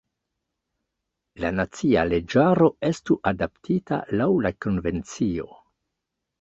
La nacia leĝaro estu adaptita laŭ la konvencio.